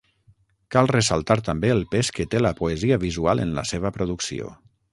Cal ressaltar també el pes que té la poesia visual en la seva producció.